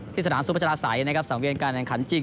ที่สถานทรุปจราษัยในกรรมสังเวียนการแห่งขันจริง